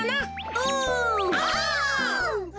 お！